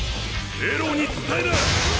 ネロに伝えな！